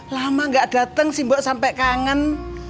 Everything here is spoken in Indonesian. lama gak datang sih mbok sampai kangen